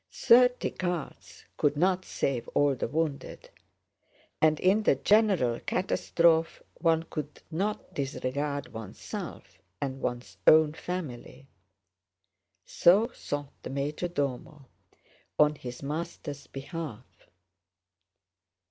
Thirty carts could not save all the wounded and in the general catastrophe one could not disregard oneself and one's own family. So thought the major domo on his master's behalf.